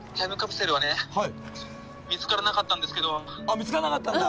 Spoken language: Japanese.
見つからなかったんだ。